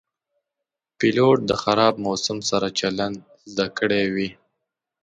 پیلوټ د خراب موسم سره چلند زده کړی وي.